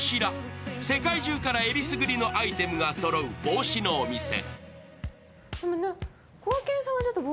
世界中からえりすぐりのアイテムがそろう帽子のお店。